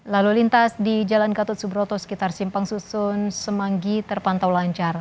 lalu lintas di jalan gatot subroto sekitar simpang susun semanggi terpantau lancar